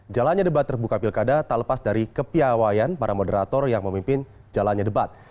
jalannya debat terbuka pilkada tak lepas dari kepiawayan para moderator yang memimpin jalannya debat